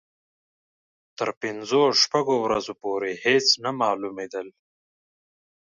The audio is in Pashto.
تر پنځو شپږو ورځو پورې هېڅ نه معلومېدل.